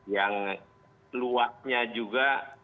yang luarnya juga